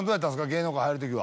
芸能界入る時は。